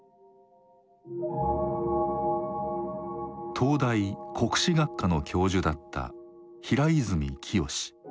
東大国史学科の教授だった平泉澄。